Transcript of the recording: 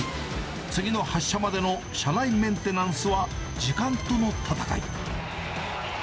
次の発車までの車内メンテナンスは時間との戦い。